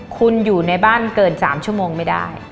คุณอยู่ในบ้านเกิน๓ชั่วโมงไม่ได้